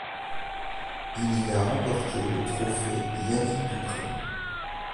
Il y a remporté le trophée Yanick Dupré.